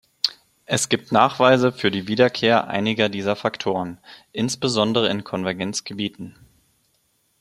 Es gibt Nachweise für die Wiederkehr einiger dieser Faktoren, insbesondere in Konvergenzgebieten.